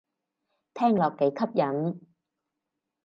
聽落幾吸引